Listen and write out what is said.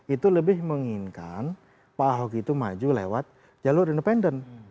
itu lebih menginginkan pak ahok itu maju lewat jalur independen